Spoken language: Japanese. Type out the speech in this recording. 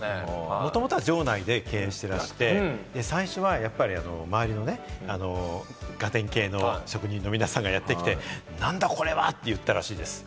もともとは場内で経営してらして、最初はやっぱり周りのガテン系の職人の皆さんがやってきて、なんだこれは！って言ったらしいです。